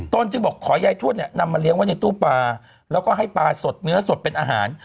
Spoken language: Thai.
ตนจึงบอกขอยายทวดเนี่ยนำมาเลี้ยงไว้ในตู้ปลาแล้วก็ให้ปลาสดเนื้อสดเป็นอาหาร